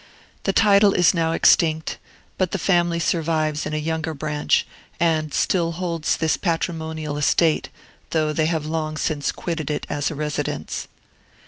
The title is now extinct, but the family survives in a younger branch, and still holds this patrimonial estate, though they have long since quitted it as a residence.